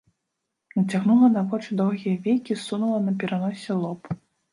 Нацягнула на вочы даўгія вейкі, ссунула на пераноссе лоб.